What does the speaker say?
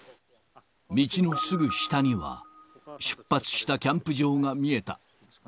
道のすぐ下には、出発したキャンプ場が見えた。